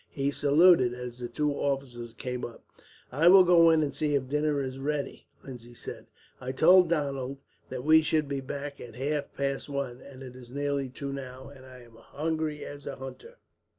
He saluted as the two officers came up. "I will go in and see if dinner is ready," Lindsay said. "I told Donald that we should be back at half past one, and it is nearly two now, and I am as hungry as a hunter."